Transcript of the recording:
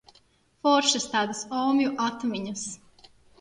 Foršas tādas omju atmiņas.